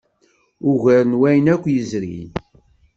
Ugar n wayen akk yezrin.